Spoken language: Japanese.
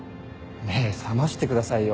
目覚ましてくださいよ。